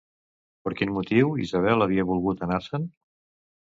Per quin motiu Isabel havia volgut anar-se'n?